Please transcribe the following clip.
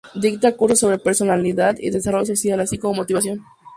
Dicta cursos sobre Personalidad y Desarrollo Social, así como Motivación.